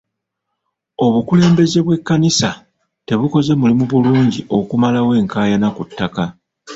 Obukulembeze bw'ekkanisa tebukoze mulimu bulungi okumalawo enkaayana ku ttaka.